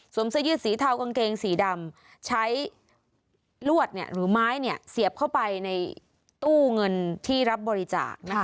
เสื้อยืดสีเทากางเกงสีดำใช้ลวดหรือไม้เสียบเข้าไปในตู้เงินที่รับบริจาคนะคะ